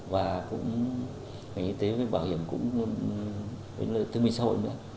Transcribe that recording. và cũng ngành y tế với bảo hiểm cũng như thương minh xã hội nữa